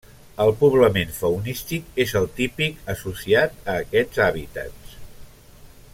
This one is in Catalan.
El poblament faunístic és el típic associat a aquests hàbitats.